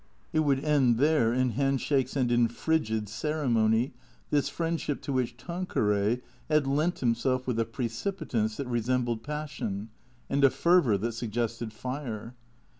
It would end there, in hand shakings and in frigid ceremony, this friendship to which Tanqueray had lent himself with a precipitance that resembled passion and a fervour that sug gested fire.